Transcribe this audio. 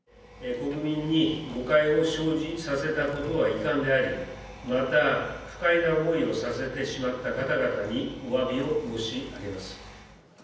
国民に誤解を生じさせたことは遺憾であり、また、不快な思いをさせてしまった方々におわびを申し上げます。